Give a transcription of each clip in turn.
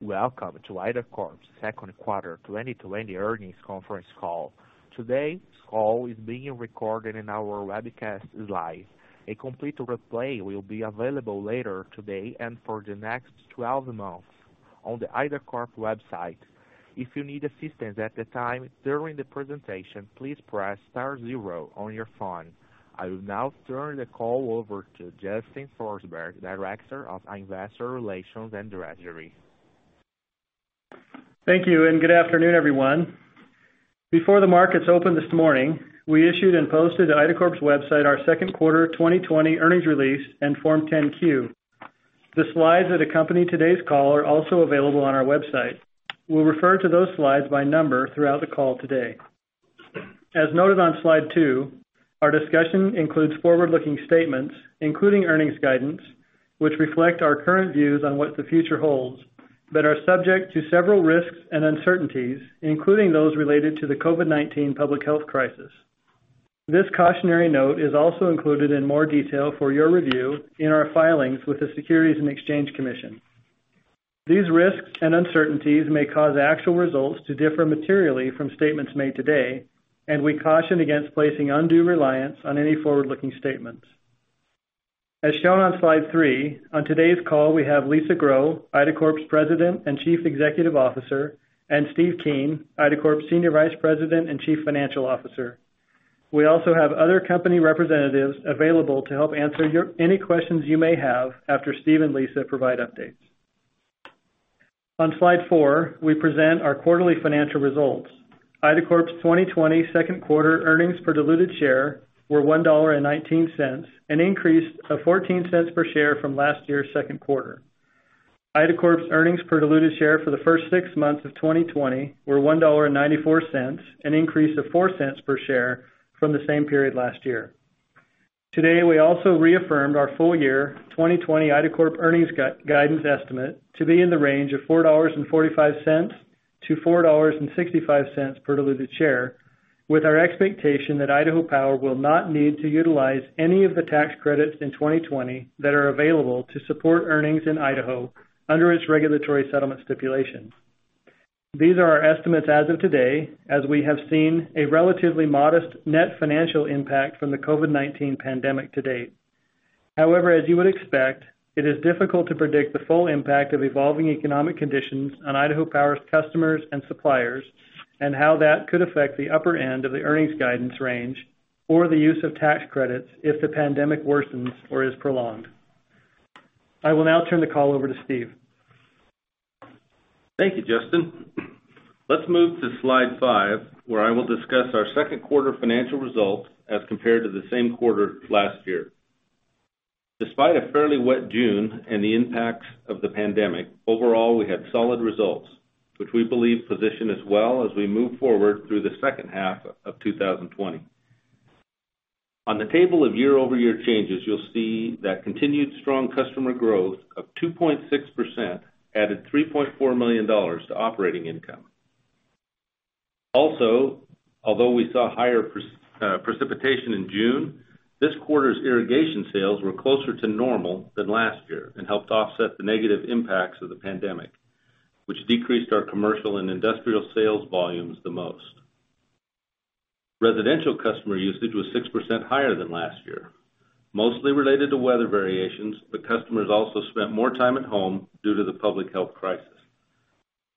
Welcome to IDACORP's Second Quarter 2020 Earnings Conference Call. Today's call is being recorded and our webcast is live. A complete replay will be available later today and for the next 12 months on the IDACORP website. If you need assistance at the time during the presentation, please press star zero on your phone. I will now turn the call over to Justin Forsberg, Director of Investor Relations and Treasury. Thank you and good afternoon, everyone. Before the markets opened this morning, we issued and posted to IDACORP's website our second quarter 2020 earnings release and Form 10-Q. The slides that accompany today's call are also available on our website. We'll refer to those slides by number throughout the call today. As noted on slide two, our discussion includes forward-looking statements, including earnings guidance, which reflect our current views on what the future holds, but are subject to several risks and uncertainties, including those related to the COVID-19 public health crisis. This cautionary note is also included in more detail for your review in our filings with the Securities and Exchange Commission. These risks and uncertainties may cause actual results to differ materially from statements made today, and we caution against placing undue reliance on any forward-looking statements. As shown on slide three, on today's call we have Lisa Grow, IDACORP's President and Chief Executive Officer, and Steve Keen, IDACORP's Senior Vice President and Chief Financial Officer. We also have other company representatives available to help answer any questions you may have after Steve and Lisa provide updates. On slide four, we present our quarterly financial results. IDACORP's 2020 second quarter earnings per diluted share were $1.19, an increase of $0.14 per share from last year's second quarter. IDACORP's earnings per diluted share for the first six months of 2020 were $1.94, an increase of $0.04 per share from the same period last year. Today, we also reaffirmed our full year 2020 IDACORP earnings guidance estimate to be in the range of $4.45-$4.65 per diluted share, with our expectation that Idaho Power will not need to utilize any of the tax credits in 2020 that are available to support earnings in Idaho under its regulatory settlement stipulation. These are our estimates as of today, as we have seen a relatively modest net financial impact from the COVID-19 pandemic to date. However, as you would expect, it is difficult to predict the full impact of evolving economic conditions on Idaho Power's customers and suppliers, and how that could affect the upper end of the earnings guidance range or the use of tax credits if the pandemic worsens or is prolonged. I will now turn the call over to Steve. Thank you, Justin. Let's move to slide five, where I will discuss our second quarter financial results as compared to the same quarter last year. Despite a fairly wet June and the impacts of the pandemic, overall, we had solid results, which we believe position us well as we move forward through the second half of 2020. Also, on the table of year-over-year changes, you'll see that continued strong customer growth of 2.6% added $3.4 million to operating income. Although we saw higher precipitation in June, this quarter's irrigation sales were closer to normal than last year and helped offset the negative impacts of the pandemic, which decreased our commercial and industrial sales volumes the most. Residential customer usage was 6% higher than last year. Mostly related to weather variations, but customers also spent more time at home due to the public health crisis.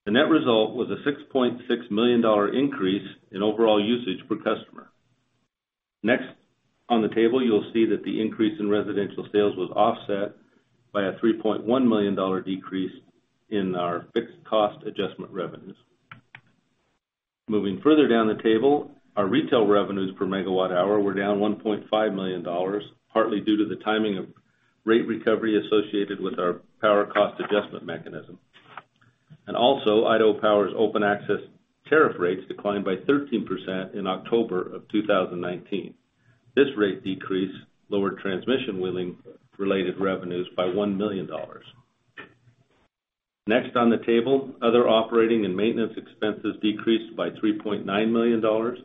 The net result was a $6.6 million increase in overall usage per customer. On the table, you'll see that the increase in residential sales was offset by a $3.1 million decrease in our fixed cost adjustment revenues. Moving further down the table, our retail revenues per megawatt hour were down $1.5 million, partly due to the timing of rate recovery associated with our power cost adjustment mechanism. Idaho Power's open access tariff rates declined by 13% in October of 2019. This rate decrease lowered transmission-related revenues by $1 million. On the table, other operating and maintenance expenses decreased by $3.9 million,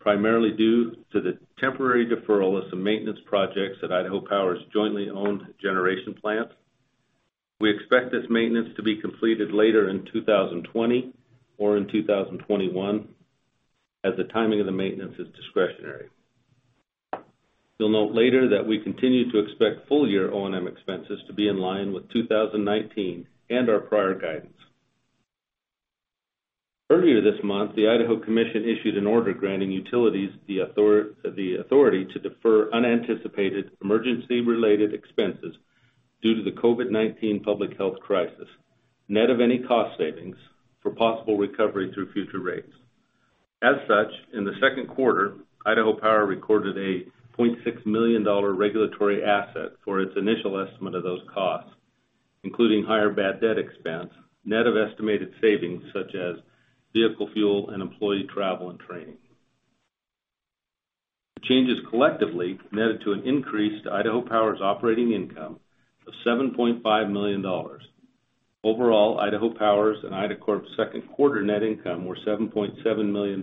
primarily due to the temporary deferral of some maintenance projects at Idaho Power's jointly owned generation plant. We expect this maintenance to be completed later in 2020 or in 2021, as the timing of the maintenance is discretionary. You'll note later that we continue to expect full year O&M expenses to be in line with 2019 and our prior guidance. Earlier this month, the Idaho Commission issued an order granting utilities the authority to defer unanticipated emergency-related expenses due to the COVID-19 public health crisis, net of any cost savings, for possible recovery through future rates. As such, in the second quarter, Idaho Power recorded a $0.6 million regulatory asset for its initial estimate of those costs, including higher bad debt expense, net of estimated savings such as vehicle fuel and employee travel and training. The changes collectively netted to an increase to Idaho Power's operating income of $7.5 million. Overall, Idaho Power's and IDACORP's second quarter net income were $7.7 million and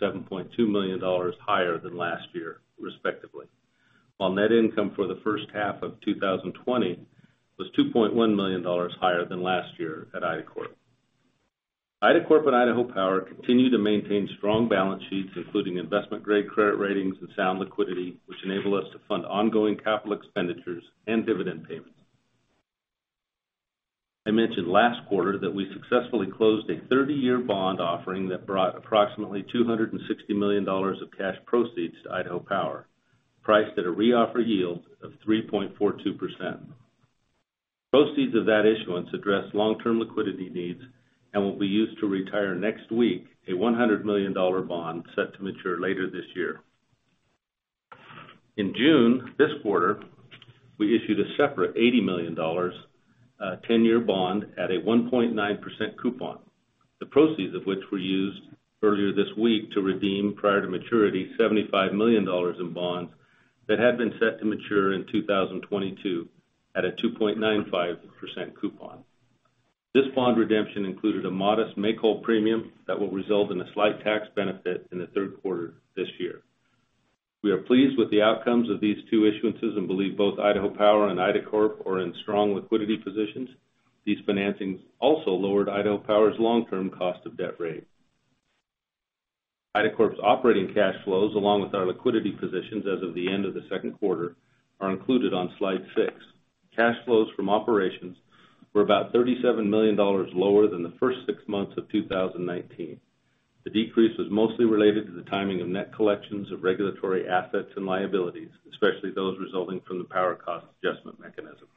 $7.2 million higher than last year, respectively. While net income for the first half of 2020 was $2.1 million higher than last year at IDACORP. IDACORP and Idaho Power continue to maintain strong balance sheets, including investment-grade credit ratings and sound liquidity, which enable us to fund ongoing capital expenditures and dividend payments. I mentioned last quarter that we successfully closed a 30-year bond offering that brought approximately $260 million of cash proceeds to Idaho Power, priced at a reoffer yield of 3.42%. Proceeds of that issuance address long-term liquidity needs and will be used to retire next week a $100 million bond set to mature later this year. In June, this quarter, we issued a separate $80 million 10-year bond at a 1.9% coupon. The proceeds of which were used earlier this week to redeem, prior to maturity, $75 million in bonds that had been set to mature in 2022 at a 2.95% coupon. This bond redemption included a modest make-whole premium that will result in a slight tax benefit in the third quarter this year. We are pleased with the outcomes of these two issuances and believe both Idaho Power and IDACORP are in strong liquidity positions. These financings also lowered Idaho Power's long-term cost of debt rate. IDACORP's operating cash flows, along with our liquidity positions as of the end of the second quarter, are included on slide six. Cash flows from operations were about $37 million lower than the first six months of 2019. The decrease was mostly related to the timing of net collections of regulatory assets and liabilities, especially those resulting from the power cost adjustment mechanism.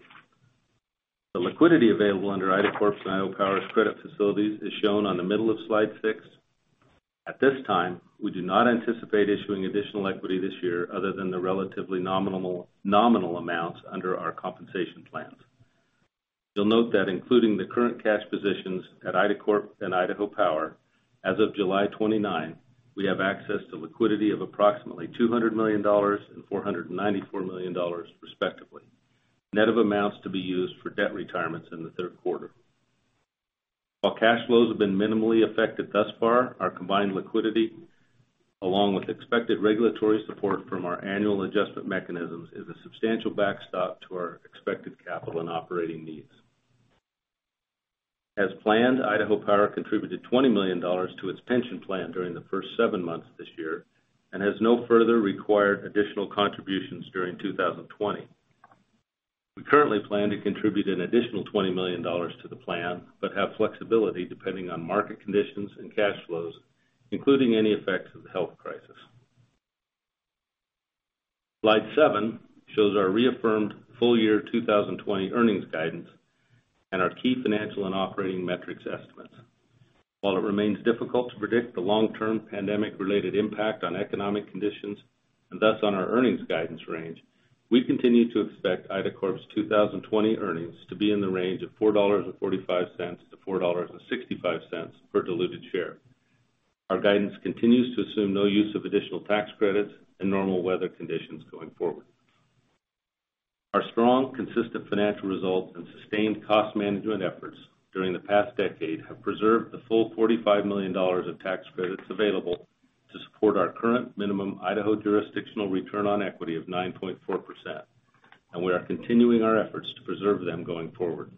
The liquidity available under IDACORP's and Idaho Power's credit facilities is shown on the middle of slide six. At this time, we do not anticipate issuing additional equity this year other than the relatively nominal amounts under our compensation plans. You'll note that including the current cash positions at IDACORP and Idaho Power as of July 29, we have access to liquidity of approximately $200 million and $494 million respectively, net of amounts to be used for debt retirements in the third quarter. While cash flows have been minimally affected thus far, our combined liquidity, along with expected regulatory support from our annual adjustment mechanisms, is a substantial backstop to our expected capital and operating needs. As planned, Idaho Power contributed $20 million to its pension plan during the first seven months this year and has no further required additional contributions during 2020. We currently plan to contribute an additional $20 million to the plan but have flexibility depending on market conditions and cash flows, including any effects of the health crisis. Slide seven shows our reaffirmed full-year 2020 earnings guidance and our key financial and operating metrics estimates. While it remains difficult to predict the long-term pandemic-related impact on economic conditions, and thus on our earnings guidance range, we continue to expect IDACORP's 2020 earnings to be in the range of $4.45-$4.65 per diluted share. Our guidance continues to assume no use of additional tax credits and normal weather conditions going forward. Our strong, consistent financial results and sustained cost management efforts during the past decade have preserved the full $45 million of tax credits available to support our current minimum Idaho jurisdictional return on equity of 9.4%, and we are continuing our efforts to preserve them going forward.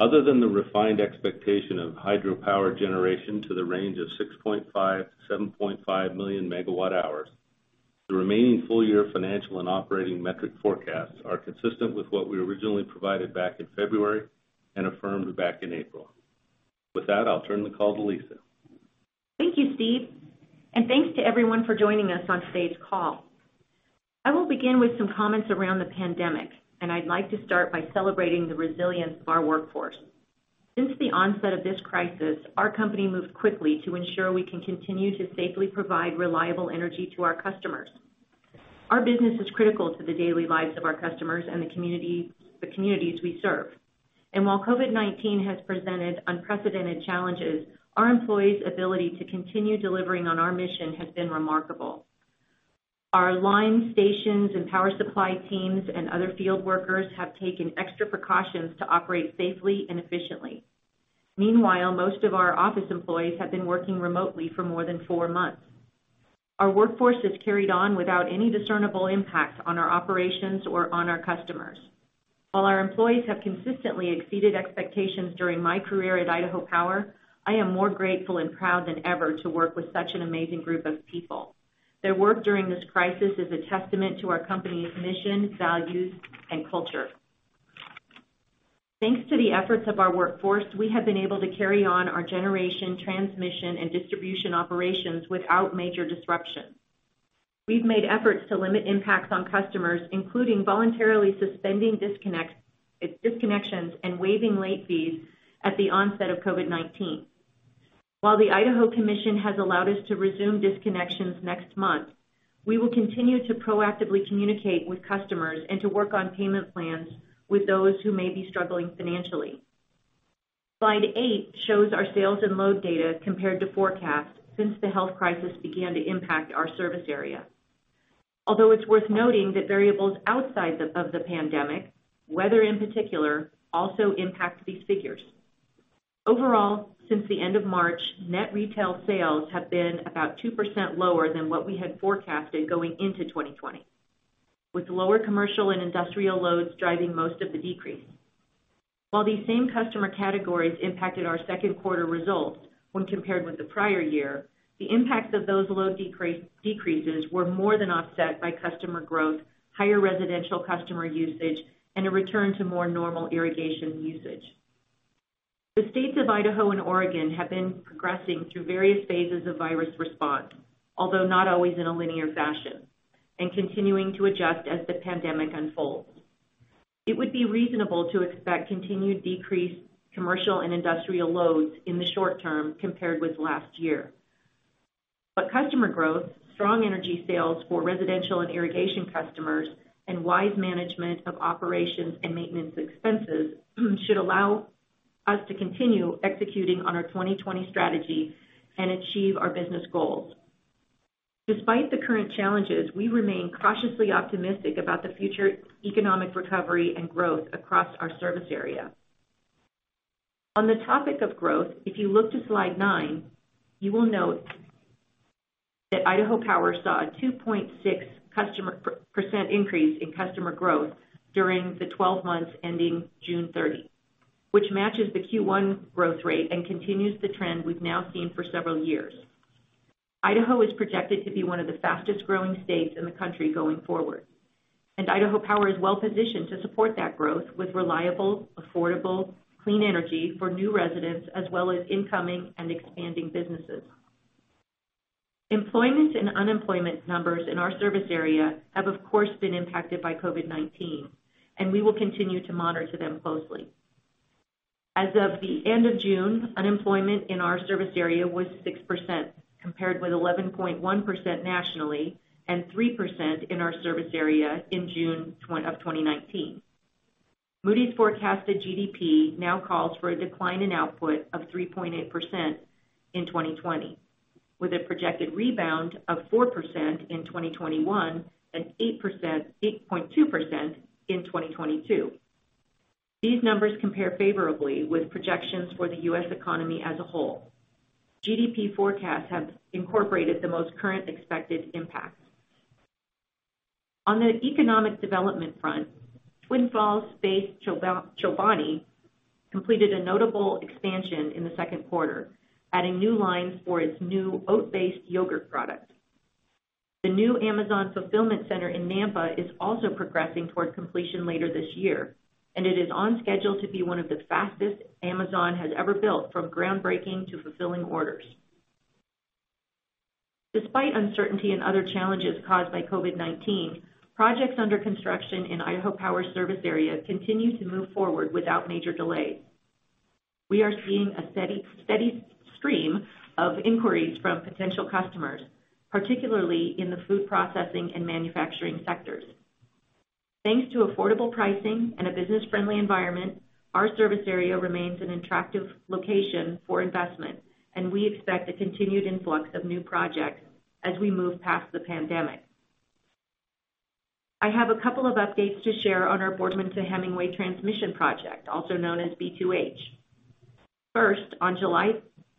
Other than the refined expectation of hydropower generation to the range of 6.5 million megawatt hours-7.5 million megawatt hours, the remaining full-year financial and operating metric forecasts are consistent with what we originally provided back in February and affirmed back in April. With that, I'll turn the call to Lisa. Thank you, Steve. Thanks to everyone for joining us on today's call. I will begin with some comments around the pandemic, and I'd like to start by celebrating the resilience of our workforce. Since the onset of this crisis, our company moved quickly to ensure we can continue to safely provide reliable energy to our customers. Our business is critical to the daily lives of our customers and the communities we serve. While COVID-19 has presented unprecedented challenges, our employees' ability to continue delivering on our mission has been remarkable. Our line, stations, and power supply teams and other field workers have taken extra precautions to operate safely and efficiently. Meanwhile, most of our office employees have been working remotely for more than four months. Our workforce has carried on without any discernible impact on our operations or on our customers. While our employees have consistently exceeded expectations during my career at Idaho Power, I am more grateful and proud than ever to work with such an amazing group of people. Their work during this crisis is a testament to our company's mission, values, and culture. Thanks to the efforts of our workforce, we have been able to carry on our generation, transmission, and distribution operations without major disruption. We've made efforts to limit impacts on customers, including voluntarily suspending disconnections and waiving late fees at the onset of COVID-19. While the Idaho Commission has allowed us to resume disconnections next month, we will continue to proactively communicate with customers and to work on payment plans with those who may be struggling financially. Slide eight shows our sales and load data compared to forecasts since the health crisis began to impact our service area. Although it's worth noting that variables outside of the pandemic, weather in particular, also impact these figures. Overall, since the end of March, net retail sales have been about 2% lower than what we had forecasted going into 2020, with lower commercial and industrial loads driving most of the decrease. While these same customer categories impacted our second quarter results when compared with the prior year, the impact of those load decreases were more than offset by customer growth, higher residential customer usage, and a return to more normal irrigation usage. The states of Idaho and Oregon have been progressing through various phases of virus response, although not always in a linear fashion, and continuing to adjust as the pandemic unfolds. It would be reasonable to expect continued decreased commercial and industrial loads in the short term compared with last year. Customer growth, strong energy sales for residential and irrigation customers, and wise management of operations and maintenance expenses should allow us to continue executing on our 2020 strategy and achieve our business goals. Despite the current challenges, we remain cautiously optimistic about the future economic recovery and growth across our service area. On the topic of growth, if you look to slide nine, you will note that Idaho Power saw a 2.6% increase in customer growth during the 12 months ending June 30, which matches the Q1 growth rate and continues the trend we've now seen for several years. Idaho is projected to be one of the fastest-growing states in the country going forward, and Idaho Power is well-positioned to support that growth with reliable, affordable, clean energy for new residents as well as incoming and expanding businesses. Employment and unemployment numbers in our service area have, of course, been impacted by COVID-19, and we will continue to monitor them closely. As of the end of June, unemployment in our service area was 6%, compared with 11.1% nationally and 3% in our service area in June of 2019. Moody's forecasted GDP now calls for a decline in output of 3.8% in 2020, with a projected rebound of 4% in 2021 and 8.2% in 2022. These numbers compare favorably with projections for the U.S. economy as a whole. GDP forecasts have incorporated the most current expected impact. On the economic development front, Twin Falls-based Chobani completed a notable expansion in the second quarter, adding new lines for its new oat-based yogurt product. The new Amazon fulfillment center in Nampa is also progressing toward completion later this year. It is on schedule to be one of the fastest Amazon has ever built from groundbreaking to fulfilling orders. Despite uncertainty and other challenges caused by COVID-19, projects under construction in Idaho Power service area continue to move forward without major delay. We are seeing a steady stream of inquiries from potential customers, particularly in the food processing and manufacturing sectors. Thanks to affordable pricing and a business-friendly environment, our service area remains an attractive location for investment. We expect a continued influx of new projects as we move past the pandemic. I have a couple of updates to share on our Boardman-to-Hemingway Transmission project, also known as B2H. First, on July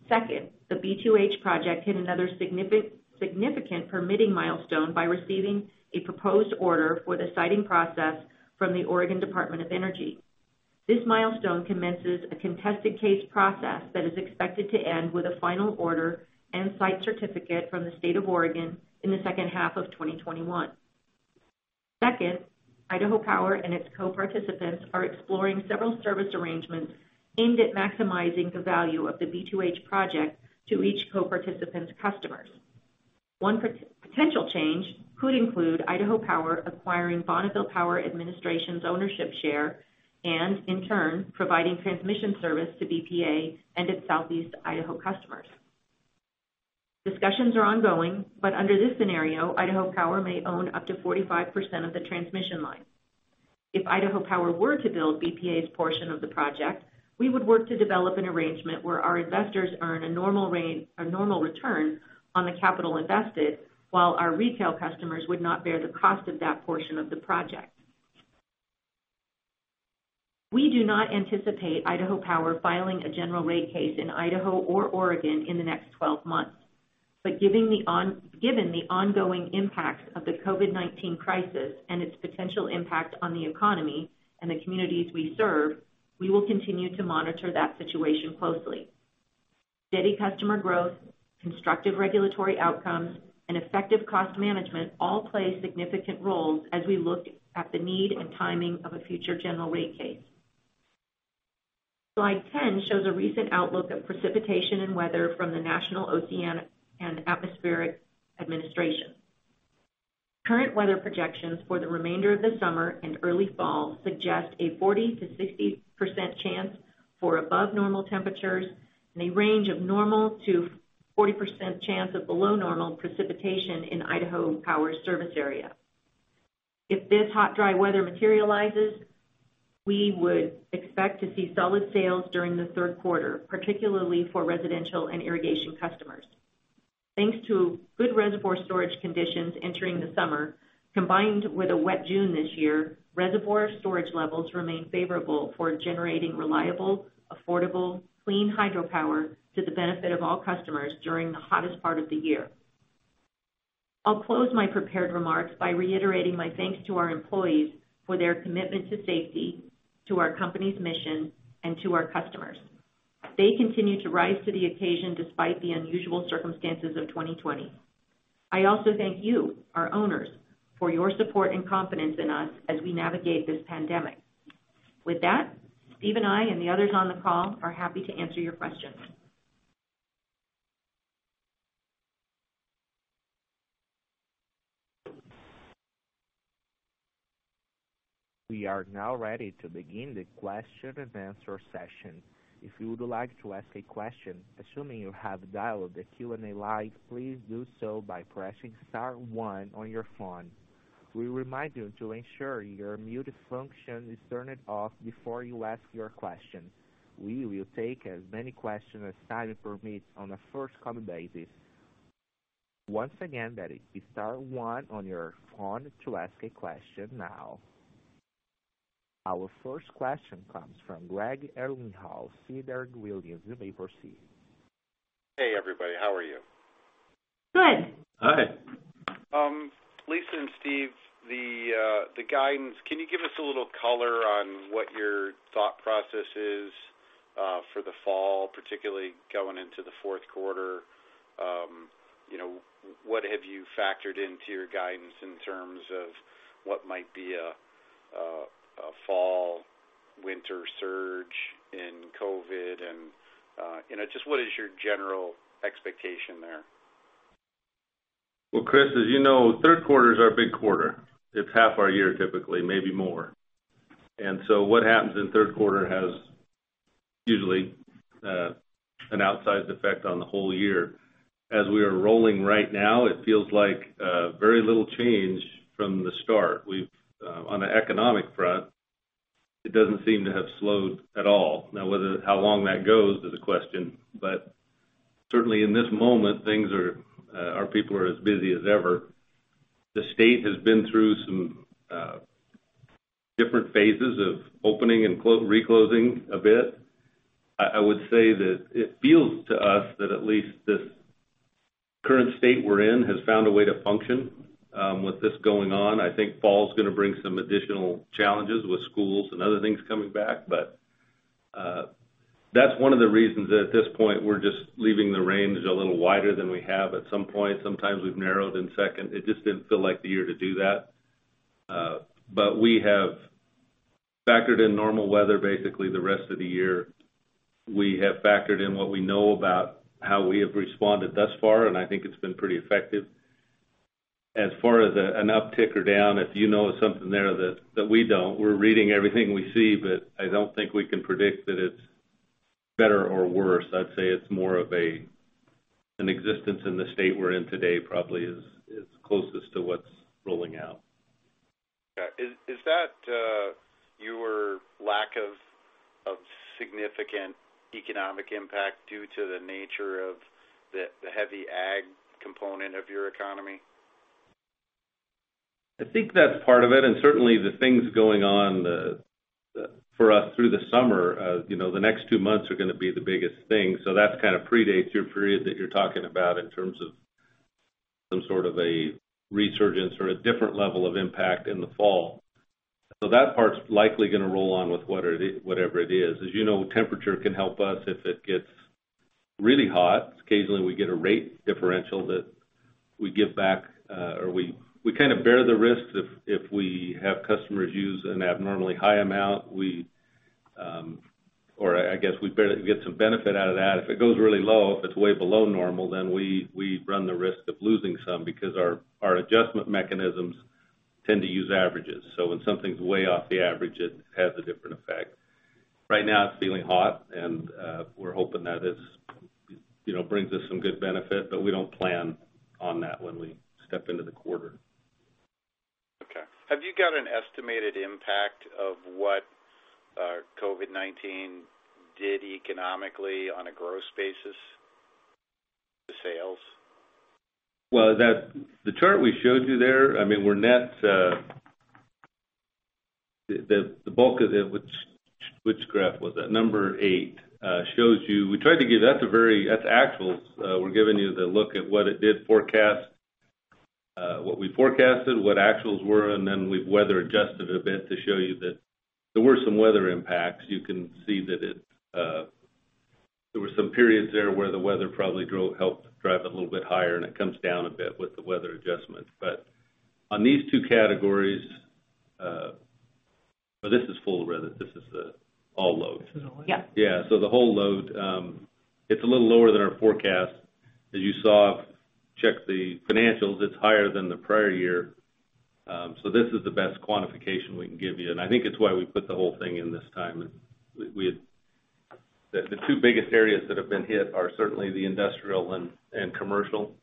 2nd, the B2H project hit another significant permitting milestone by receiving a proposed order for the siting process from the Oregon Department of Energy. This milestone commences a contested case process that is expected to end with a final order and site certificate from the state of Oregon in the second half of 2021. Second, Idaho Power and its co-participants are exploring several service arrangements aimed at maximizing the value of the B2H project to each co-participant's customers. One potential change could include Idaho Power acquiring Bonneville Power Administration's ownership share and, in turn, providing transmission service to BPA and its Southeast Idaho customers. Discussions are ongoing, but under this scenario, Idaho Power may own up to 45% of the transmission line. If Idaho Power were to build BPA's portion of the project, we would work to develop an arrangement where our investors earn a normal return on the capital invested while our retail customers would not bear the cost of that portion of the project. We do not anticipate Idaho Power filing a general rate case in Idaho or Oregon in the next 12 months. Given the ongoing impact of the COVID-19 crisis and its potential impact on the economy and the communities we serve, we will continue to monitor that situation closely. Steady customer growth, constructive regulatory outcomes, and effective cost management all play significant roles as we look at the need and timing of a future general rate case. Slide 10 shows a recent outlook of precipitation and weather from the National Oceanic and Atmospheric Administration. Current weather projections for the remainder of the summer and early fall suggest a 40%-60% chance for above normal temperatures and a range of normal to 40% chance of below normal precipitation in Idaho Power service area. If this hot, dry weather materializes, we would expect to see solid sales during the third quarter, particularly for residential and irrigation customers. Thanks to good reservoir storage conditions entering the summer, combined with a wet June this year, reservoir storage levels remain favorable for generating reliable, affordable, clean hydropower to the benefit of all customers during the hottest part of the year. I'll close my prepared remarks by reiterating my thanks to our employees for their commitment to safety, to our company's mission, and to our customers. They continue to rise to the occasion despite the unusual circumstances of 2020. I also thank you, our owners, for your support and confidence in us as we navigate this pandemic. With that, Steve and I, and the others on the call are happy to answer your questions. We are now ready to begin the question and answer session. If you would like to ask a question, assuming you have dialed the Q&A line, please do so by pressing star one on your phone. We remind you to ensure your mute function is turned off before you ask your question. We will take as many questions as time permits on a first-come basis. Once again, that is star one on your phone to ask a question now. Our first question comes from Chris Ellinghaus, Siebert Williams Shank. You may proceed. Hey, everybody. How are you? Good. Hi. Lisa and Steve, the guidance, can you give us a little color on what your thought process is for the fall, particularly going into the fourth quarter? What have you factored into your guidance in terms of what might be a fall/winter surge in COVID, and just what is your general expectation there? Well, Chris, as you know, third quarter is our big quarter. It's half our year, typically, maybe more. What happens in the third quarter has usually an outsized effect on the whole year. As we are rolling right now, it feels like very little change from the start. On an economic front, it doesn't seem to have slowed at all. How long that goes is a question, but certainly in this moment, our people are as busy as ever. The state has been through some different phases of opening and re-closing a bit. I would say that it feels to us that at least this current state we're in has found a way to function with this going on. I think fall's going to bring some additional challenges with schools and other things coming back. That's one of the reasons that at this point, we're just leaving the range a little wider than we have at some point. Sometimes we've narrowed in second. It just didn't feel like the year to do that. We have factored in normal weather, basically, the rest of the year. We have factored in what we know about how we have responded thus far, and I think it's been pretty effective. As far as an uptick or down, if you know something there that we don't, we're reading everything we see, but I don't think we can predict that it's better or worse. I'd say it's more of an existence in the state we're in today probably is closest to what's rolling out. Okay. Is that your lack of significant economic impact due to the nature of the heavy ag component of your economy? I think that's part of it, certainly the things going on for us through the summer. The next two months are going to be the biggest thing. That predates your period that you're talking about in terms of some sort of a resurgence or a different level of impact in the fall. That part's likely going to roll on with whatever it is. As you know, temperature can help us if it gets really hot. Occasionally, we get a rate differential that we give back, we bear the risk if we have customers use an abnormally high amount. I guess we get some benefit out of that. If it goes really low, if it's way below normal, we run the risk of losing some because our adjustment mechanisms tend to use averages. When something's way off the average, it has a different effect. Right now, it's feeling hot, and we're hoping that this brings us some good benefit, but we don't plan on that when we step into the quarter. Okay. Have you got an estimated impact of what COVID-19 did economically on a gross basis to sales? Well, the chart we showed you there, the bulk of it, which graph was that? Number eight shows you. That's actuals. We're giving you the look at what we forecasted, what actuals were, and then we've weather-adjusted it a bit to show you that there were some weather impacts. You can see that there were some periods there where the weather probably helped drive it a little bit higher, and it comes down a bit with the weather adjustments. On these two categories, well, this is full, rather. This is the all load. The whole load, it's a little lower than our forecast. As you saw, check the financials, it's higher than the prior year. This is the best quantification we can give you, and I think it's why we put the whole thing in this time. The two biggest areas that have been hit are certainly the industrial and commercial.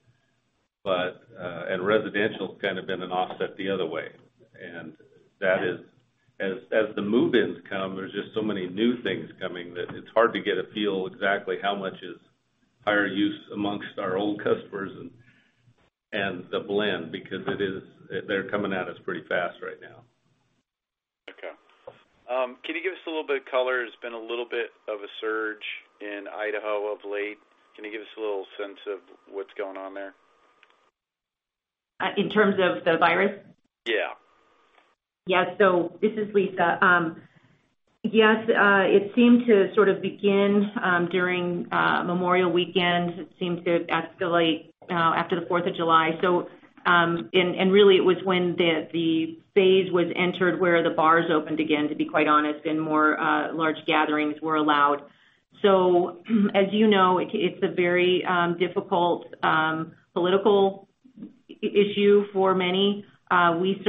Residential has kind of been an offset the other way. That is, as the move-ins come, there's just so many new things coming that it's hard to get a feel exactly how much is higher use amongst our old customers and the blend, because they're coming at us pretty fast right now. Okay. Can you give us a little bit of color? There's been a little bit of a surge in Idaho of late. Can you give us a little sense of what's going on there? In terms of the virus? Yeah. Yeah. This is Lisa. Yes, it seemed to sort of begin during Memorial Weekend. It seemed to escalate after the 4th of July. Really it was when the phase was entered where the bars opened again, to be quite honest, and more large gatherings were allowed. As you know, it's a very difficult political issue for many. There's a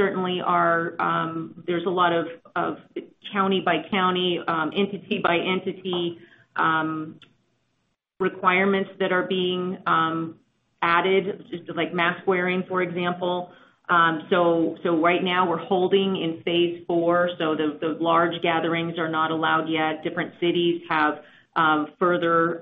lot of county-by-county, entity-by-entity requirements that are being added, like mask wearing, for example. Right now we're holding in phase four, so the large gatherings are not allowed yet. Different cities have further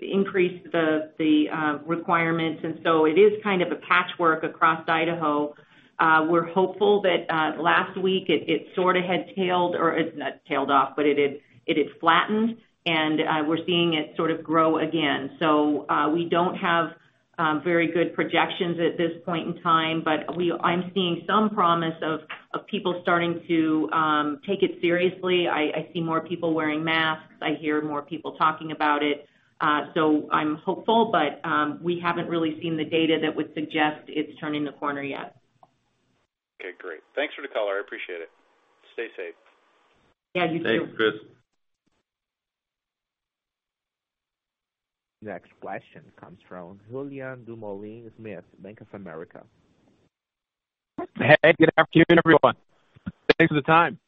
increased the requirements, it is kind of a patchwork across Idaho. We're hopeful that last week it sort of had tailed or it's not tailed off, but it had flattened and we're seeing it sort of grow again. We don't have very good projections at this point in time, but I'm seeing some promise of people starting to take it seriously. I see more people wearing masks. I hear more people talking about it. I'm hopeful, but we haven't really seen the data that would suggest it's turning the corner yet. Okay, great. Thanks for the color. I appreciate it. Stay safe. Yeah, you too. Thanks, Chris. Next question comes from Julien Dumoulin-Smith, Bank of America. Hey, good afternoon, everyone. Thanks for the time.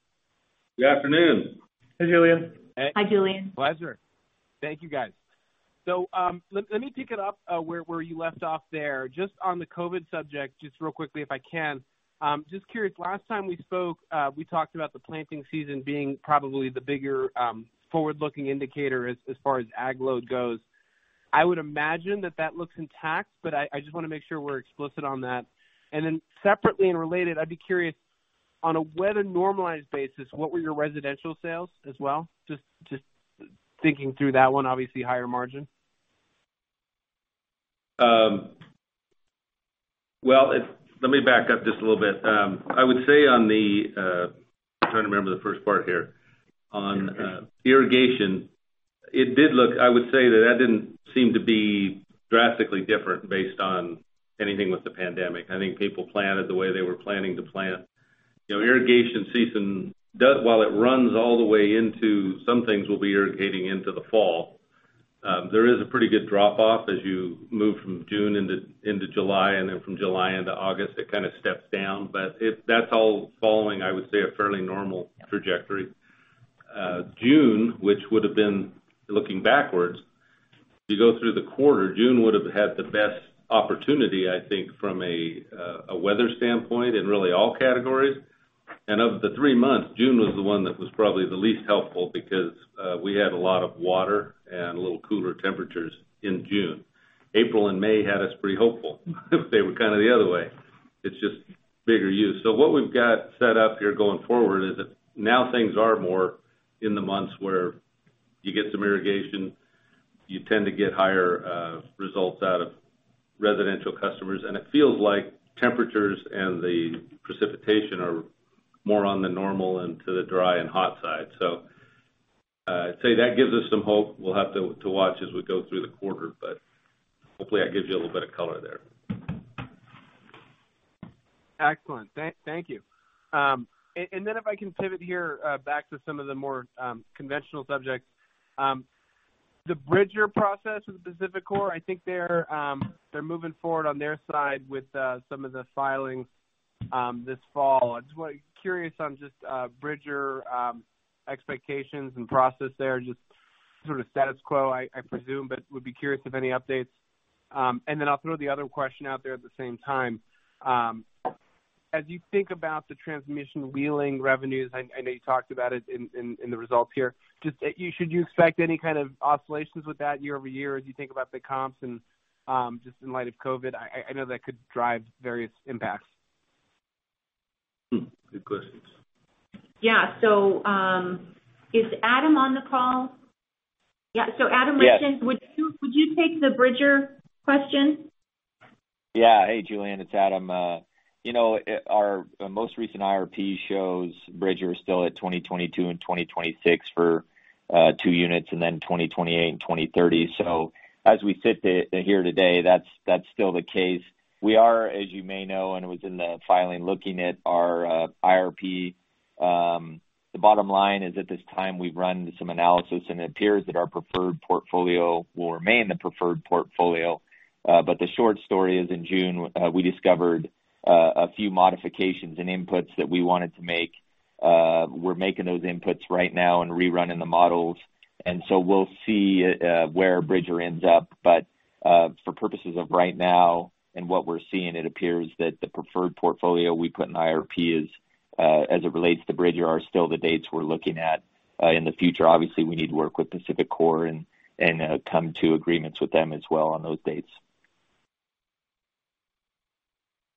Good afternoon. Hey, Julien. Hi, Julien. Pleasure. Thank you guys. Let me pick it up where you left off there. Just on the COVID subject, just real quickly if I can, just curious, last time we spoke, we talked about the planting season being probably the bigger forward-looking indicator as far as ag load goes. I would imagine that that looks intact, but I just want to make sure we're explicit on that. Separately and related, I'd be curious on a weather-normalized basis, what were your residential sales as well? Just thinking through that one, obviously higher margin. Well, let me back up just a little bit. I would say on the-- I'm trying to remember the first part here. On irrigation, I would say that that didn't seem to be drastically different based on anything with the pandemic. I think people planted the way they were planning to plant. Irrigation season, while it runs all the way into some things will be irrigating into the fall. There is a pretty good drop off as you move from June into July, and then from July into August, it kind of steps down. That's all following, I would say, a fairly normal trajectory. June, which would've been looking backwards, you go through the quarter, June would've had the best opportunity, I think, from a weather standpoint in really all categories. Of the three months, June was the one that was probably the least helpful because we had a lot of water and a little cooler temperatures in June. April and May had us pretty hopeful. They were kind of the other way. It's just bigger use. What we've got set up here going forward is that now things are more in the months where you get some irrigation. You tend to get higher results out of residential customers, and it feels like temperatures and the precipitation are more on the normal and to the dry and hot side. I'd say that gives us some hope. We'll have to watch as we go through the quarter, but hopefully that gives you a little bit of color there. Excellent. Thank you. If I can pivot here back to some of the more conventional subjects. The Bridger process with PacifiCorp, I think they're moving forward on their side with some of the filings this fall. I'm just curious on just Bridger expectations and process there. Just sort of status quo, I presume, but would be curious if any updates. I'll throw the other question out there at the same time. As you think about the transmission wheeling revenues, I know you talked about it in the results here. Should you expect any kind of oscillations with that year-over-year as you think about the comps and just in light of COVID? I know that could drive various impacts. Good questions. Yeah. Is Adam on the call? Yeah. Adam Richins. Yes Would you take the Bridger question? Hey, Julien, it's Adam. Our most recent IRP shows Bridger is still at 2022 and 2026 for two units, and then 2028 and 2030. As we sit here today, that's still the case. We are, as you may know, and it was in the filing, looking at our IRP. The bottom line is at this time we've run some analysis and it appears that our preferred portfolio will remain the preferred portfolio. The short story is in June, we discovered a few modifications and inputs that we wanted to make. We're making those inputs right now and rerunning the models. We'll see where Bridger ends up. For purposes of right now and what we're seeing, it appears that the preferred portfolio we put in IRP, as it relates to Bridger, are still the dates we're looking at in the future. We need to work with PacifiCorp and come to agreements with them as well on those dates.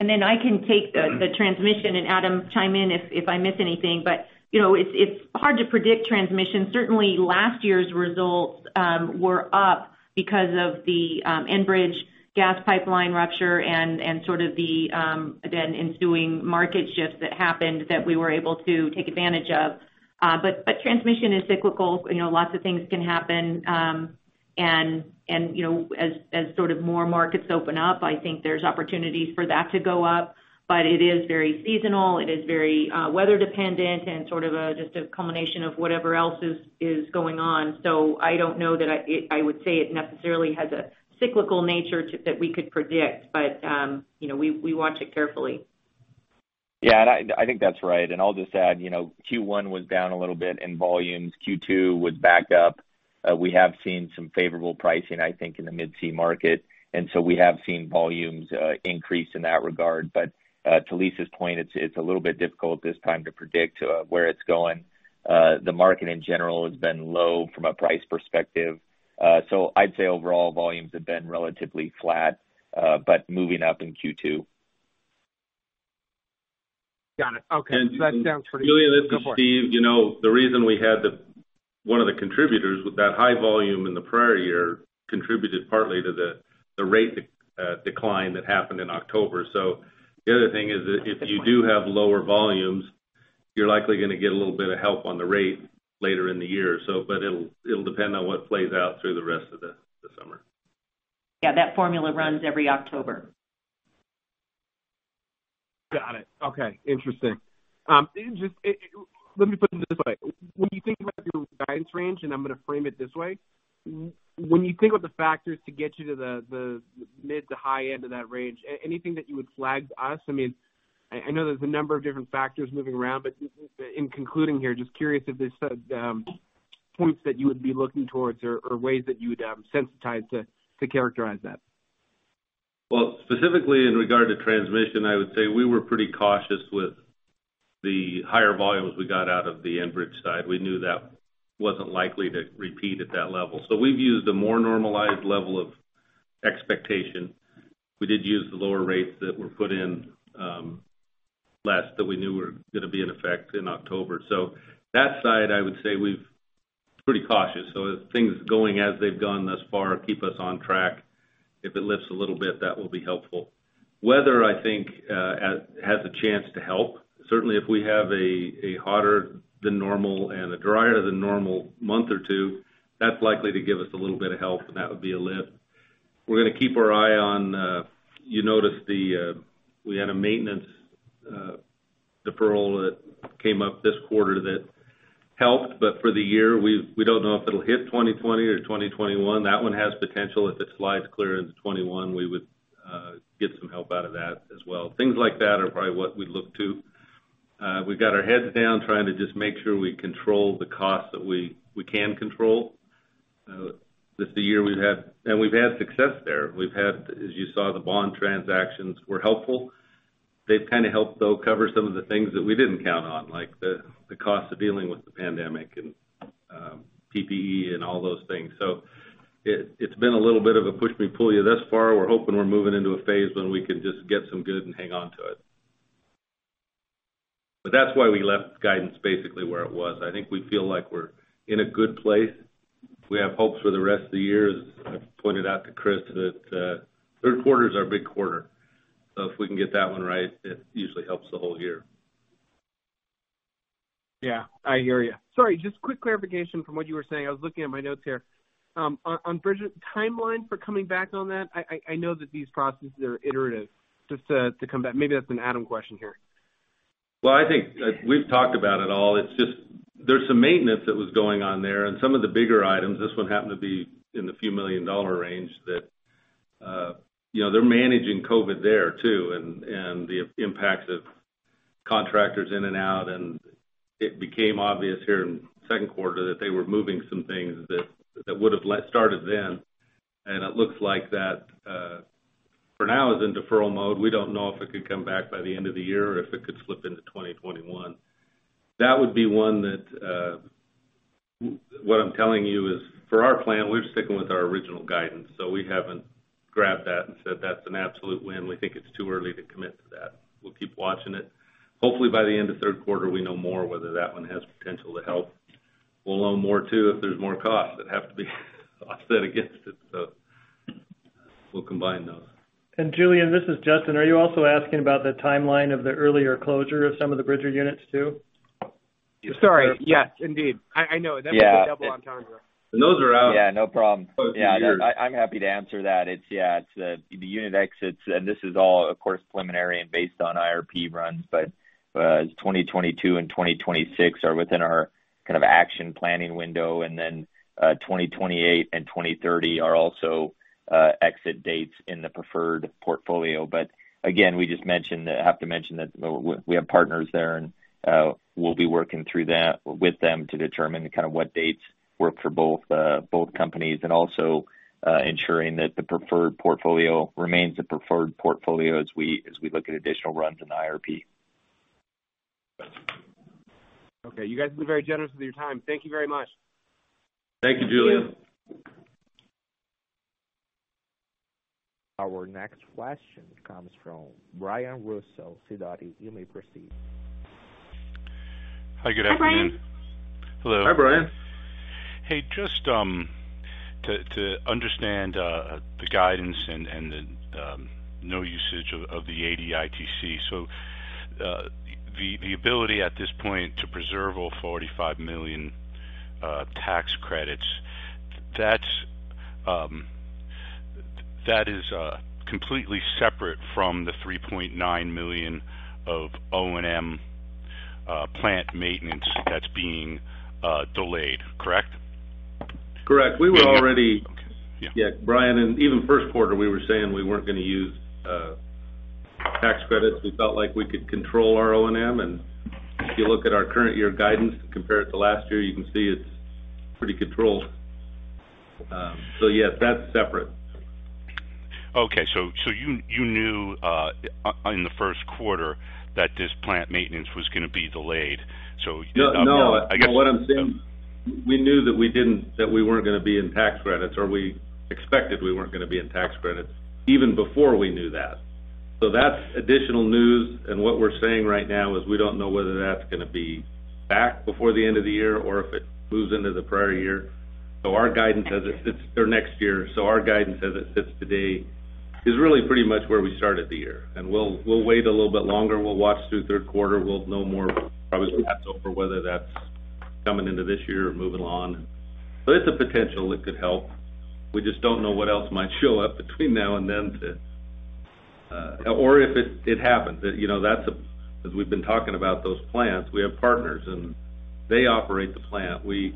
I can take the transmission, Adam, chime in if I miss anything. It's hard to predict transmission. Certainly, last year's results were up because of the Enbridge gas pipeline rupture and the then ensuing market shifts that happened that we were able to take advantage of. Transmission is cyclical. Lots of things can happen. As more markets open up, I think there's opportunities for that to go up. It is very seasonal, it is very weather-dependent, and just a culmination of whatever else is going on. I don't know that I would say it necessarily has a cyclical nature that we could predict, but we watch it carefully. Yeah, I think that's right. I'll just add, Q1 was down a little bit in volumes. Q2 was back up. We have seen some favorable pricing, I think, in the Mid-C market, we have seen volumes increase in that regard. To Lisa's point, it's a little bit difficult at this time to predict where it's going. The market, in general, has been low from a price perspective. I'd say overall volumes have been relatively flat, but moving up in Q2. Got it. Okay. That sounds pretty. Julien, this is Steve. Go for it. The reason we had one of the contributors with that high volume in the prior year contributed partly to the rate decline that happened in October. The other thing is that if you do have lower volumes, you're likely going to get a little bit of help on the rate later in the year. It'll depend on what plays out through the rest of the summer. Yeah, that formula runs every October. Got it. Okay, interesting. Let me put it this way. When you think about your guidance range, and I'm going to frame it this way, when you think about the factors to get you to the mid to high end of that range, anything that you would flag to us? I know there's a number of different factors moving around, but in concluding here, just curious if there's points that you would be looking towards or ways that you would sensitize to characterize that. Well, specifically in regard to transmission, I would say we were pretty cautious with the higher volumes we got out of the Enbridge side. We knew that wasn't likely to repeat at that level. We've used a more normalized level of expectation. We did use the lower rates that were put in last that we knew were going to be in effect in October. That side, I would say we've pretty cautious. If things going as they've gone thus far keep us on track. If it lifts a little bit, that will be helpful. Weather, I think, has a chance to help. Certainly, if we have a hotter than normal and a drier than normal month or two, that's likely to give us a little bit of help, and that would be a lift. We're going to keep our eye on. You noticed we had a maintenance deferral that came up this quarter that helped. For the year, we don't know if it'll hit 2020 or 2021. That one has potential. If it slides clear into 2021, we would get some help out of that as well. Things like that are probably what we look to. We've got our heads down trying to just make sure we control the costs that we can control. We've had success there. As you saw, the bond transactions were helpful. They've kind of helped, though, cover some of the things that we didn't count on, like the cost of dealing with the pandemic and PPE and all those things. It's been a little bit of a push me, pull you thus far. We're hoping we're moving into a phase when we can just get some good and hang on to it. That's why we left guidance basically where it was. I think we feel like we're in a good place. We have hopes for the rest of the year. As I pointed out to Chris, that third quarter is our big quarter. If we can get that one right, it usually helps the whole year. Yeah, I hear you. Sorry, just quick clarification from what you were saying. I was looking at my notes here. On Bridger timeline for coming back on that, I know that these processes are iterative. Just to come back. Maybe that's an Adam question here. Well, I think we've talked about it all. It's just there's some maintenance that was going on there and some of the bigger items, this one happened to be in the few million dollar range that they're managing COVID there, too, and the impact of contractors in and out. It became obvious here in the second quarter that they were moving some things that would have started then. It looks like that, for now, is in deferral mode. We don't know if it could come back by the end of the year or if it could slip into 2021. What I'm telling you is, for our plan, we're sticking with our original guidance, so we haven't grabbed that and said that's an absolute win. We think it's too early to commit to that. We'll keep watching it. Hopefully, by the end of the third quarter, we know more whether that one has potential to help. We'll know more, too, if there's more costs that have to be offset against it. We'll combine those. Julien, this is Justin. Are you also asking about the timeline of the earlier closure of some of the Bridger units, too? Sorry, yes, indeed. I know. That must be a double on time zone. Those are out. Yeah, no problem. Yeah, I'm happy to answer that. It's the unit exits, and this is all, of course, preliminary and based on IRP runs, but 2022 and 2026 are within our kind of action planning window, and then 2028 and 2030 are also exit dates in the preferred portfolio. Again, we just have to mention that we have partners there, and we'll be working with them to determine kind of what dates work for both companies and also ensuring that the preferred portfolio remains the preferred portfolio as we look at additional runs in IRP. Okay. You guys have been very generous with your time. Thank you very much. Thank you, Julien. Our next question comes from Brian Russo, Sidoti. You may proceed. Hi, good afternoon. Hi, Brian. Hi, Brian. Hey, just to understand the guidance and the no usage of the ADITC, the ability at this point to preserve all $45 million tax credits, that is completely separate from the $3.9 million of O&M plant maintenance that's being delayed, correct? Correct. Brian, in even first quarter, we were saying we weren't going to use tax credits. We felt like we could control our O&M, and if you look at our current year guidance compared to last year, you can see it's pretty controlled. Yes, that's separate. Okay. You knew in the first quarter that this plant maintenance was going to be delayed. No. What I'm saying, we knew that we weren't going to be in tax credits, or we expected we weren't going to be in tax credits even before we knew that. That's additional news, and what we're saying right now is we don't know whether that's going to be back before the end of the year or if it moves into the prior year. Our guidance as it sits today is really pretty much where we started the year. We'll wait a little bit longer. We'll watch through third quarter, we'll know more, probably through that, so for whether that's coming into this year or moving on. It's a potential that could help. We just don't know what else might show up between now and then or if it happens. As we've been talking about those plants, we have partners, and they operate the plant. We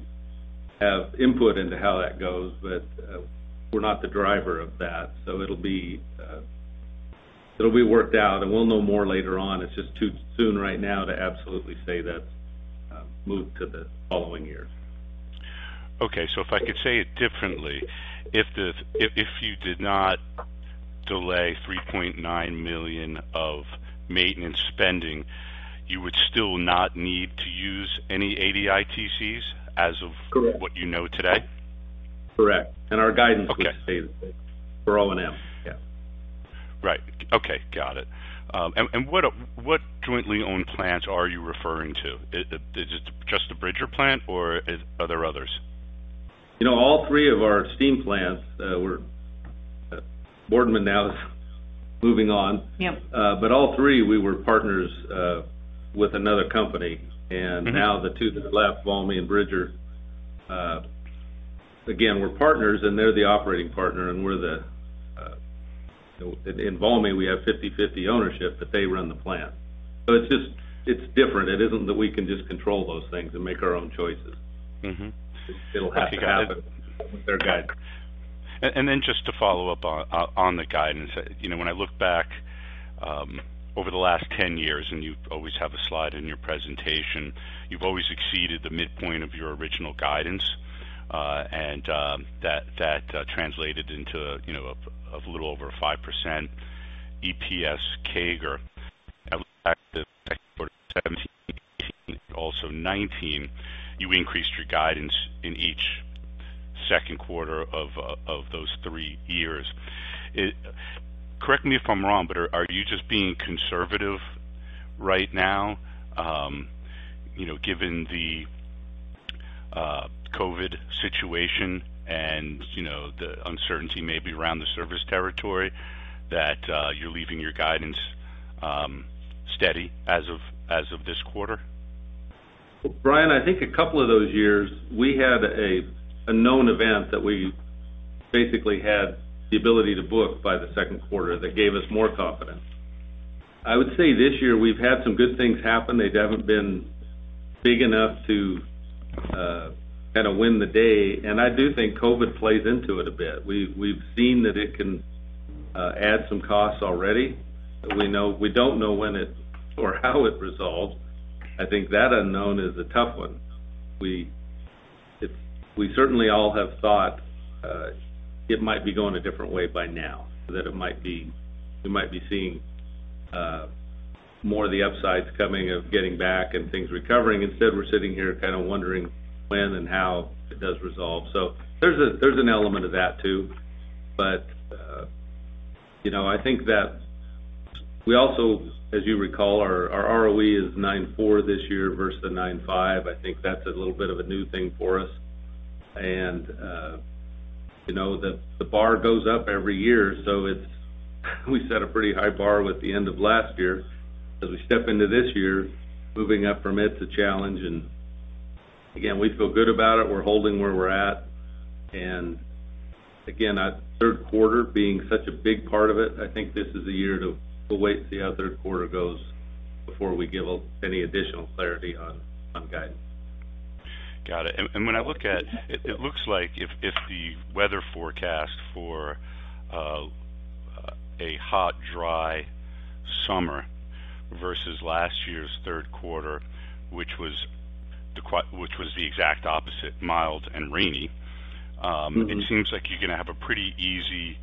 have input into how that goes, but we're not the driver of that. It'll be worked out, and we'll know more later on. It's just too soon right now to absolutely say that's moved to the following year. Okay. If I could say it differently, if you did not delay $3.9 million of maintenance spending, you would still not need to use any ADITCs as of what you know today? Correct. Our guidance would stay the same for O&M. Yeah. Right. Okay. Got it. What jointly owned plants are you referring to? Is it just the Bridger plant or are there others? All three of our steam plants, Boardman now is moving on. All three, we were partners with another company. Now the two that are left, Valmy and Bridger, again, we're partners and they're the operating partner. In Valmy, we have 50/50 ownership, but they run the plant. It's different. It isn't that we can just control those things and make our own choices. It'll have to happen with their guidance. Just to follow up on the guidance. When I look back over the last 10 years, and you always have a slide in your presentation, you've always exceeded the midpoint of your original guidance. That translated into a little over a 5% EPS CAGR. Looking back to second quarter 2017, 2018, and also 2019, you increased your guidance in each second quarter of those three years. Correct me if I'm wrong, are you just being conservative right now? Given the COVID situation and the uncertainty maybe around the service territory that you're leaving your guidance steady as of this quarter? Brian, I think a couple of those years, we had a known event that we basically had the ability to book by the second quarter that gave us more confidence. I would say this year we've had some good things happen. They haven't been big enough to kind of win the day, and I do think COVID plays into it a bit. We've seen that it can add some costs already. We don't know when it or how it resolves. I think that unknown is a tough one. We certainly all have thought it might be going a different way by now, that we might be seeing more of the upsides coming of getting back and things recovering. Instead, we're sitting here kind of wondering when and how it does resolve. There's an element of that too, but I think that we also, as you recall, our ROE is 9.4% this year versus the 9.5%. I think that's a little bit of a new thing for us. The bar goes up every year, so we set a pretty high bar with the end of last year. As we step into this year, moving up from it is a challenge, and again, we feel good about it. We're holding where we're at. Again, third quarter being such a big part of it, I think this is a year to wait to see how third quarter goes before we give any additional clarity on guidance. Got it. When I look at it looks like if the weather forecast for a hot, dry summer versus last year's third quarter, which was the exact opposite, mild and rainy. It seems like you're going to have a pretty easy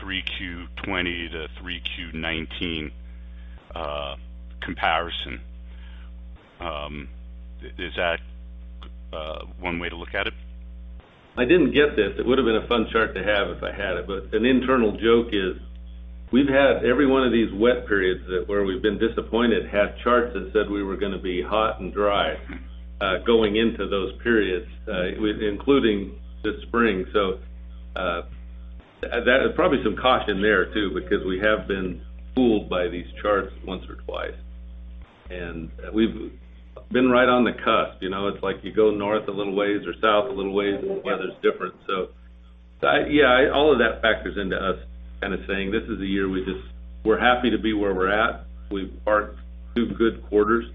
Q3 2020 to Q3 2019 comparison. Is that one way to look at it? I didn't get this. It would've been a fun chart to have if I had it. An internal joke is, we've had every one of these wet periods where we've been disappointed, had charts that said we were going to be hot and dry going into those periods, including this spring. There's probably some caution there, too, because we have been fooled by these charts once or twice. We've been right on the cusp. It's like you go north a little ways or south a little way, and the weather's different. All of that factors into us saying, this is a year we're happy to be where we're at. We've marked two good quarters,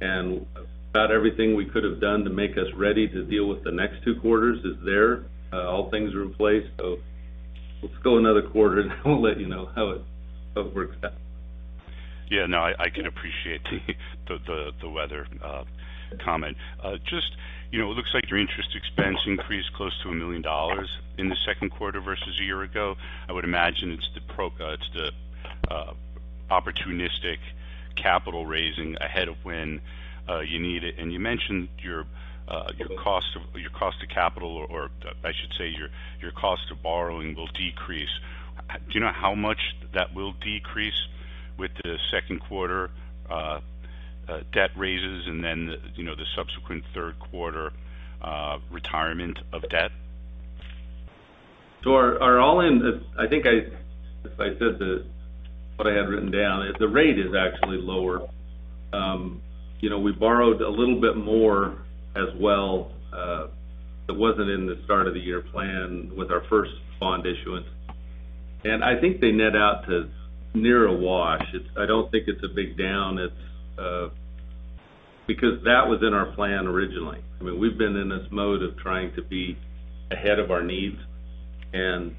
and about everything we could've done to make us ready to deal with the next two quarters is there. All things are in place. Let's go another quarter, and we'll let you know how it works out. No, I can appreciate the weather comment. It looks like your interest expense increased close to $1 million in the second quarter versus a year ago. I would imagine it's the opportunistic capital raising ahead of when you need it. You mentioned your cost of borrowing will decrease. Do you know how much that will decrease with the second quarter debt raises and then the subsequent third quarter retirement of debt? Our all-in, I think if I said what I had written down, the rate is actually lower. We borrowed a little bit more as well that wasn't in the start of the year plan with our first bond issuance. I think they net out to near a wash. I don't think it's a big down. That was in our plan originally. We've been in this mode of trying to be ahead of our needs and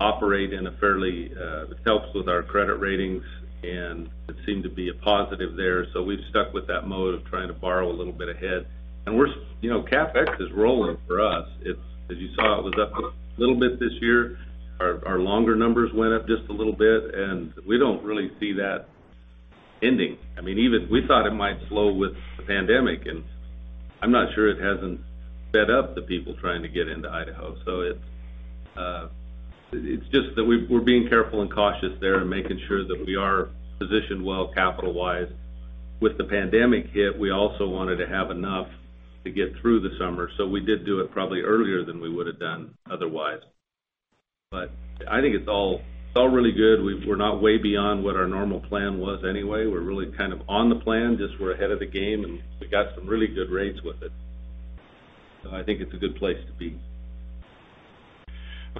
operate in a fairly. This helps with our credit ratings, and it seemed to be a positive there. We've stuck with that mode of trying to borrow a little bit ahead. CapEx is rolling for us. As you saw, it was up a little bit this year. Our longer numbers went up just a little bit, and we don't really see that ending. We thought it might slow with the pandemic. I'm not sure it hasn't sped up the people trying to get into Idaho. It's just that we're being careful and cautious there and making sure that we are positioned well capital-wise. With the pandemic hit, we also wanted to have enough to get through the summer, so we did do it probably earlier than we would've done otherwise. I think it's all really good. We're not way beyond what our normal plan was anyway. We're really kind of on the plan, just we're ahead of the game, and we got some really good rates with it. I think it's a good place to be.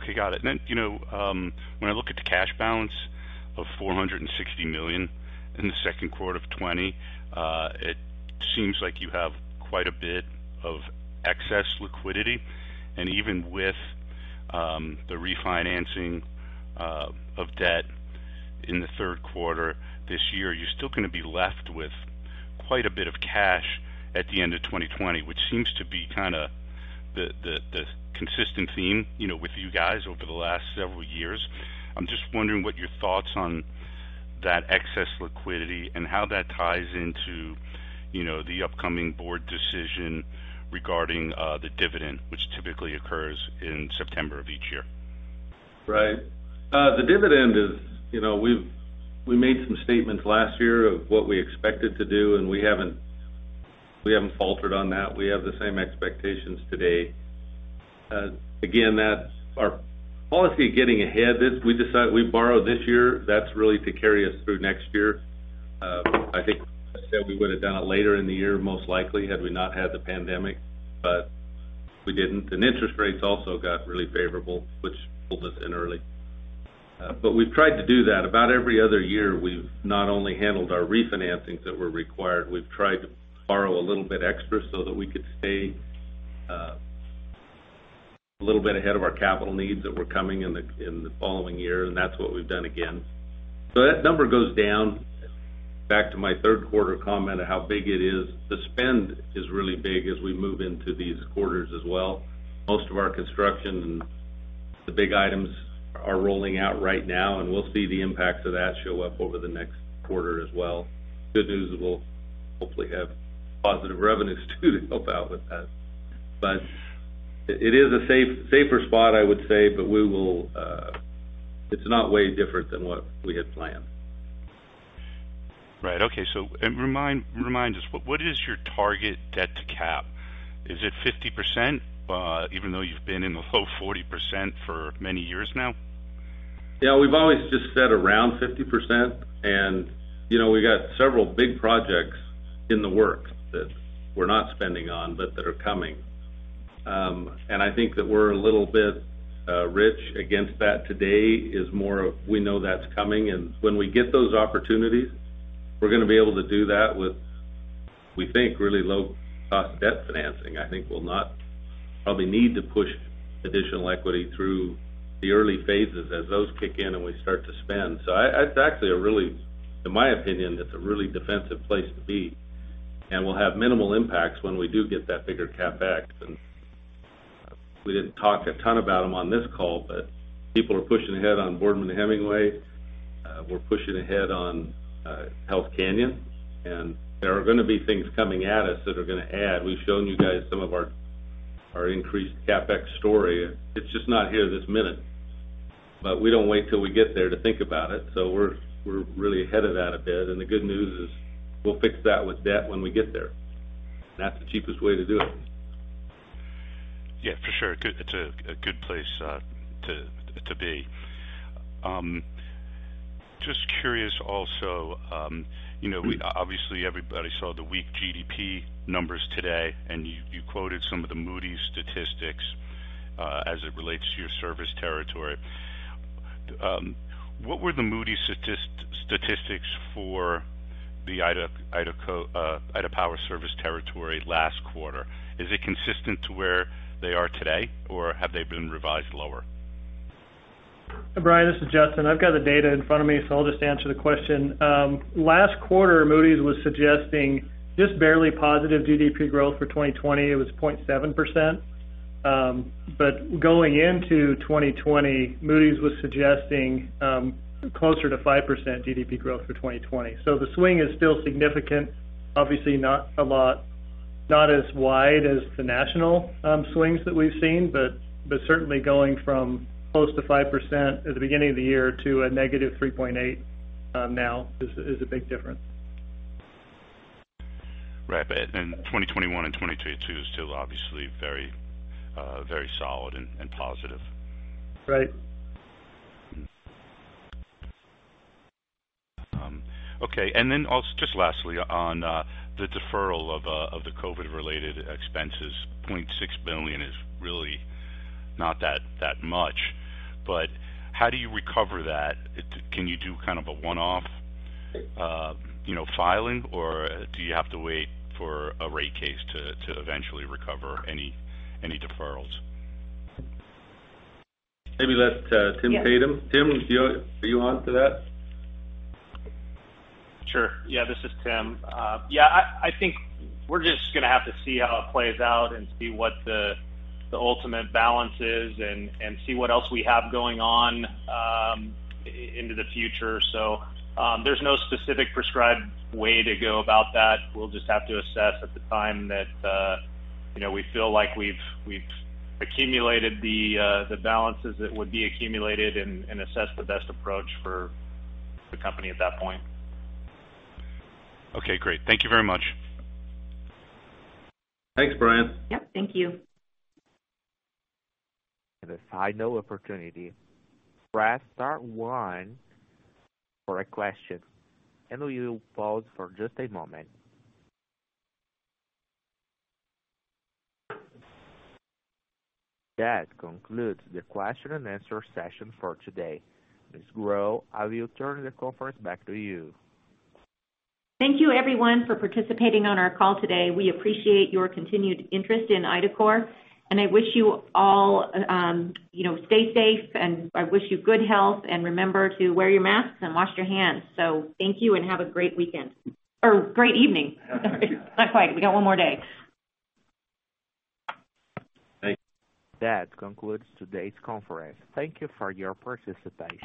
Okay. Got it. When I look at the cash balance of $460 million in the second quarter of 2020, it seems like you have quite a bit of excess liquidity. Even with the refinancing of debt in the third quarter this year, you're still going to be left with quite a bit of cash at the end of 2020, which seems to be the consistent theme with you guys over the last several years. I'm just wondering what your thoughts on that excess liquidity and how that ties into the upcoming board decision regarding the dividend, which typically occurs in September of each year. Right. The dividend. We made some statements last year of what we expected to do. We haven't faltered on that. We have the same expectations today. Again, that's our policy of getting ahead. We borrowed this year, that's really to carry us through next year. I think, as I said, we would've done it later in the year, most likely, had we not had the pandemic, but we didn't. Interest rates also got really favorable, which pulled us in early. We've tried to do that. About every other year, we've not only handled our refinancings that were required, we've tried to borrow a little bit extra so that we could stay a little bit ahead of our capital needs that were coming in the following year, and that's what we've done again. That number goes down. Back to my third quarter comment of how big it is, the spend is really big as we move into these quarters as well. Most of our construction and the big items are rolling out right now, and we'll see the impacts of that show up over the next quarter as well. Good news is we'll hopefully have positive revenues too to help out with that. It is a safer spot, I would say, but it's not way different than what we had planned. Right. Okay. Remind us, what is your target debt to cap? Is it 50%, even though you've been in the low 40% for many years now? Yeah, we've always just said around 50%. We got several big projects in the works that we're not spending on, but that are coming. I think that we're a little bit rich against that today is more of we know that's coming. When we get those opportunities, we're going to be able to do that with, we think, really low-cost debt financing. I think we'll probably need to push additional equity through the early phases as those kick in and we start to spend. It's actually, in my opinion, it's a really defensive place to be, and we'll have minimal impacts when we do get that bigger CapEx. We didn't talk a ton about them on this call, but people are pushing ahead on Boardman-to-Hemingway. We're pushing ahead on Hells Canyon. There are going to be things coming at us that are going to add. We've shown you guys some of our increased CapEx story. It's just not here this minute. We don't wait till we get there to think about it. We're really ahead of that a bit. The good news is we'll fix that with debt when we get there. That's the cheapest way to do it. Yeah, for sure. It's a good place to be. Just curious also, obviously everybody saw the weak GDP numbers today, and you quoted some of the Moody's statistics as it relates to your service territory. What were the Moody's statistics for the Idaho Power service territory last quarter? Is it consistent to where they are today, or have they been revised lower? Brian, this is Justin. I've got the data in front of me, I'll just answer the question. Last quarter, Moody's was suggesting just barely positive GDP growth for 2020. It was 0.7%. Going into 2020, Moody's was suggesting closer to 5% GDP growth for 2020. The swing is still significant, obviously not as wide as the national swings that we've seen, but certainly going from close to 5% at the beginning of the year to a -3.8% now is a big difference. In 2021 and 2022, it's still obviously very solid and positive. Right. Okay. Then also, just lastly, on the deferral of the COVID-related expenses, $0.6 million is really not that much. How do you recover that? Can you do a one-off filing, or do you have to wait for a rate case to eventually recover any deferrals? Maybe let Tim Tatum. Tim, are you on to that? Sure. This is Tim. I think we're just going to have to see how it plays out and see what the ultimate balance is and see what else we have going on into the future. There's no specific prescribed way to go about that. We'll just have to assess at the time that we feel like we've accumulated the balances that would be accumulated and assess the best approach for the company at that point. Okay, great. Thank you very much. Thanks, Brian. Yep, thank you. That concludes the question-and-answer session for today. Ms. Grow, I will turn the conference back to you. Thank you everyone for participating on our call today. We appreciate your continued interest in IDACORP, and I wish you all stay safe, and I wish you good health, and remember to wear your masks and wash your hands. Thank you, and have a great weekend, or great evening. Not quite. We got one more day. Thanks. That concludes today's conference. Thank you for your participation.